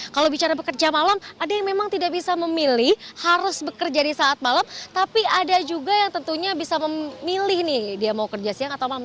kalau bicara bekerja malam ada yang memang tidak bisa memilih harus bekerja di saat malam tapi ada juga yang tentunya bisa memilih nih dia mau kerja siang atau malam